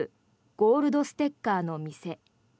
ゴールドステッカーの店。